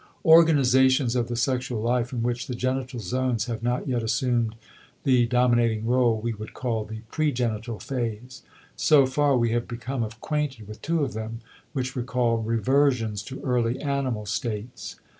Organizations of the sexual life in which the genital zones have not yet assumed the dominating rôle we would call the pregenital phase. So far we have become acquainted with two of them which recall reversions to early animal states.